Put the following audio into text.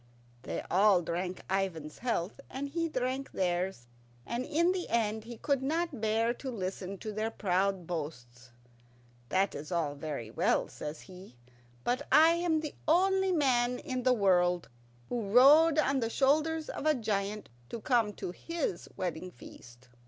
They all drank Ivan's health, and he drank theirs, and in the end he could not bear to listen to their proud boasts. "That's all very well," says he, "but I am the only man in the world who rode on the shoulders of a giant to come to his wedding feast."